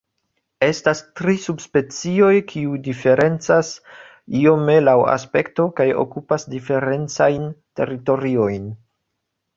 Estas tri subspecioj, kiu diferencas iome laŭ aspekto kaj okupas diferencajn teritoriojn.